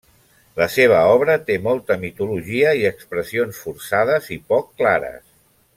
La seva obra té molta mitologia i expressions forçades i poc clares.